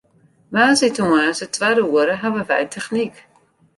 Woansdeitemoarns it twadde oere hawwe wy technyk.